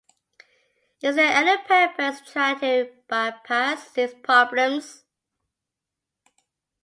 Is there any purpose in trying to by-pass these problems?